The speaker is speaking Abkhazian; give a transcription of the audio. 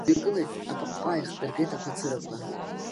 Дҩагылеит, апыҟҟа ааихдыргеит ақәа цырақәа.